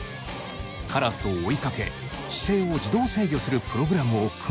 カラスを追いかけ姿勢を自動制御するプログラムを組んだんだそう。